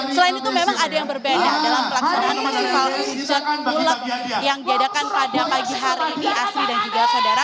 selain itu memang ada yang berbeda dalam pelaksanaan festival musik bulek yang diadakan pada pagi hari ini asri dan juga saudara